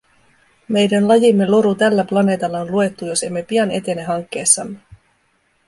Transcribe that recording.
Meidän lajimme loru tällä planeetalla on luettu, jos emme pian etene hankkeessamme.